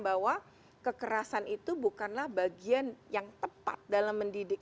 bahwa kekerasan itu bukanlah bagian yang tepat dalam mendidik